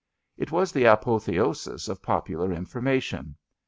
It was the apotheosis of Popular Information.